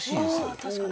確かに。